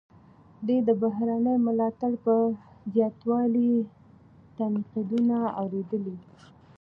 ده د بهرني ملاتړ پر زیاتوالي تنقیدونه اوریدلي.